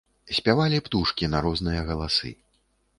Спявалі птушкі на розныя галасы.